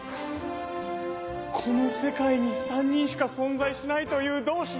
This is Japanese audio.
この世界に３人しか存在しないという同士。